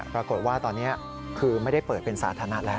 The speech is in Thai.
ปรากฏว่าตอนนี้คือไม่ได้เปิดเป็นสาธารณะแล้ว